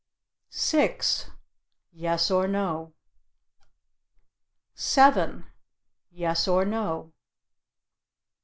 "Yes or no." 7. "Yes or no."